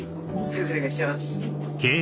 お願いします。